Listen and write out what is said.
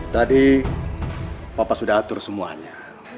tadi bapak sudah atur semuanya